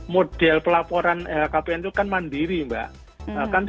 model pelaporan lhkpn itu kan mandiri mbak